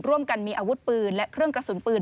ร่วมกันมีอาวุธปืนและเครื่องกระสุนปืน